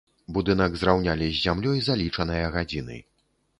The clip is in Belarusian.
Будынак зраўнялі з зямлёй за лічаныя гадзіны.